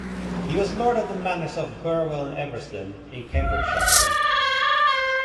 He was Lord of the Manors of Burwell and Eversden, in Cambridgeshire.